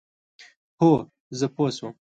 هو، زه پوه شوم،